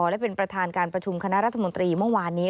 และเป็นประธานการประชุมคณะรัฐมนตรีเมื่อวานนี้